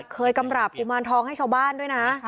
กำรับกุมารทองให้ชาวบ้านด้วยนะ